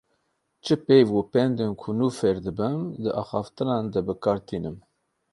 Çi peyv û pendên ku nû fêr dibim di axaftinan de bi kar tînim.